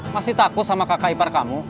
masih takut sama kakak ipar kamu